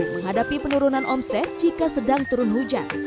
menghadapi penurunan omset jika sedang turun hujan